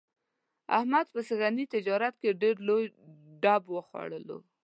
احمد په سږني تجارت کې ډېر لوی ډب وخوړلو.